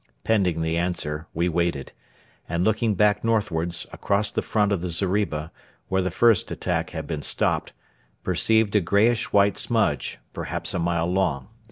Pending the answer, we waited; and looking back northwards, across the front of the zeriba, where the first attack had been stopped, perceived a greyish white smudge, perhaps a mile long.